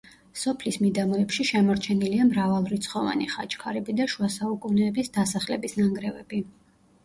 სოფლის მიდამოებში შემორჩენილია მრავალრიცხოვანი ხაჩქარები და შუა საუკუნეების დასახლების ნანგრევები.